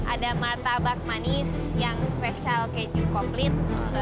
ada martabak manis yang spesial keju komplit